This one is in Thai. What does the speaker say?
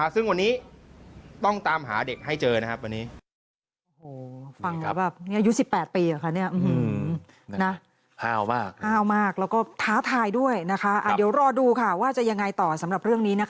ซึ่งวันนี้ต้องตามหาเด็กให้เจอนะครับวันนี้